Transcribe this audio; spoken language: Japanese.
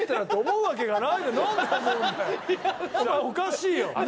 おかしいよ。